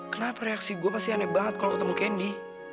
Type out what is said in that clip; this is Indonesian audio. kenapa reaksi gue pasti aneh banget kalau ketemu candy